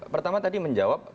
pertama tadi menjawab